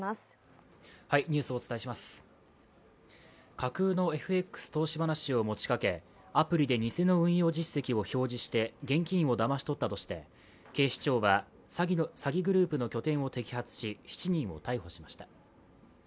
架空のＦＸ投資話を持ちかけアプリで偽の運用実績を表示して現金をだまし取ったとして警視庁は詐欺グループの拠点を摘発し、７人を逮捕しました。